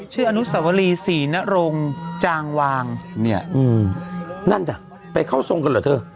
อนุสวรีศรีนรงจางวางเนี่ยอืมนั่นจ้ะไปเข้าทรงกันเหรอเธอ